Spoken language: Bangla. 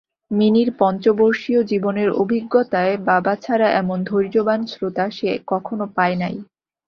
মিনির পঞ্চবর্ষীয় জীবনের অভিজ্ঞতায় বাবা ছাড়া এমন ধৈর্যবান শ্রোতা সে কখনো পায় নাই।